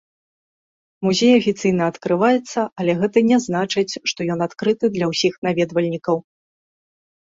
Музей афіцыйна адкрываецца, але гэта не значыць, што ён адкрыты для ўсіх наведвальнікаў.